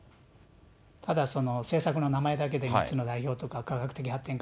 ただ、その政策の名前だけで３つの代表とか、科学的発展。